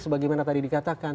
sebagaimana tadi dikatakan